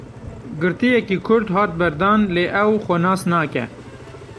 Girtiyekî Kurd hat berdan lê ew xwe nas nake.